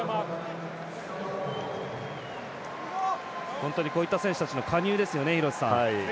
本当にこういった選手たちの加入ですよね。